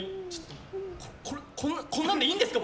こ、こっこんなんでいいんですか？